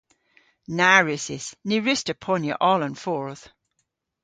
Na wrussys. Ny wruss'ta ponya oll an fordh.